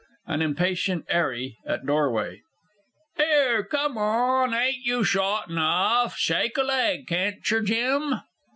AN IMPATIENT 'ARRY (at doorway). 'Ere, come on! Ain't you shot enough? Shake a leg, can't yer, Jim?